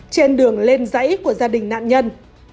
trên đường lên dãy của gia đình nạn nhân